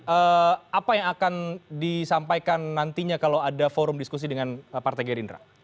eee apa yang akan disampaikan nantinya kalau ada forum diskusi dengan partai gerindra